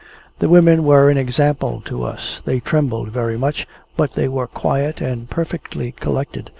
The women were an example to us. They trembled very much, but they were quiet and perfectly collected.